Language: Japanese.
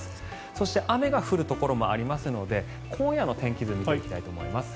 そして雨が降るところもありますので今夜の天気図見ていきたいと思います。